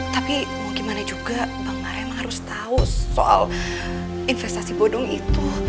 tapi mau gimana juga bang maret emang harus tau soal investasi bodong itu